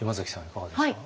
いかがですか？